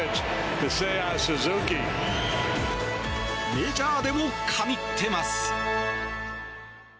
メジャーでも神ってます。